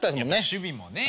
守備もね。